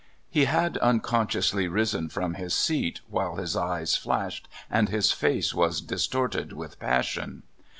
" He had unconsciously risen from his seat, while his eyes flashed, and his face was distorted with ])assion.